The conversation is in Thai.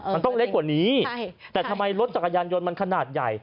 มันต้องเล็กกว่านี้แต่ทำไมรถจักรยานยนต์มันขนาดใหญ่